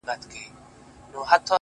ه ستا د سترگو احترام نه دی ـ نو څه دی ـ